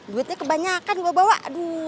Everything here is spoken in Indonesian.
duitnya kebanyakan bawa bawa aduh